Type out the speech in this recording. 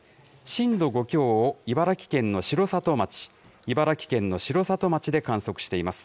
震度５強を茨城県の城里町、茨城県の城里町で観測しています。